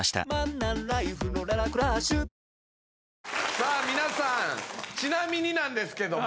さあ皆さんちなみになんですけども。